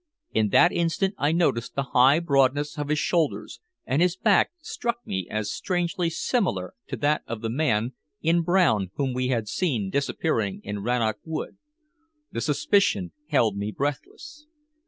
In that instant I noticed the high broadness of his shoulders, and his back struck me as strangely similar to that of the man in brown whom we had seen disappearing in Rannoch Wood. The suspicion held me breathless.